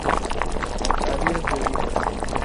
habías bebido